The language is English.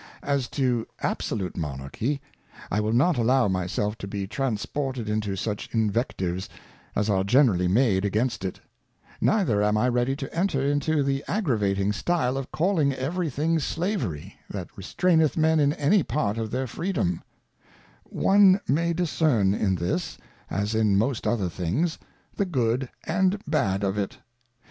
As to Absolute Monarchy, I will not allow my self to be trans ported into such Invectives, as are generally made against it; neither am I ready to enter into the aggravating Stile of calling every thing Slavery, that restraineth Men in any part of their Freedom: One may discern in this, _asjn__ most other_things, the good and bad of it.